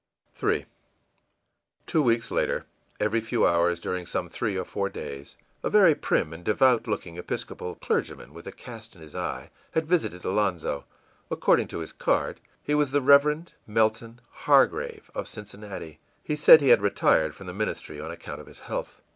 î III Two weeks later. Every few hours, during same three or four days, a very prim and devout looking Episcopal clergyman, with a cast in his eye, had visited Alonzo. According to his card, he was the Rev. Melton Hargrave, of Cincinnati. He said he had retired from the ministry on account of his health.